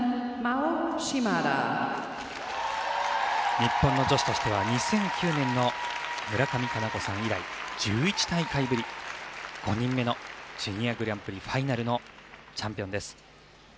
日本の女子としては２００９年の村上佳菜子さん以来１１大会ぶり５人目のジュニアグランプリファイナルのチャンピオンです。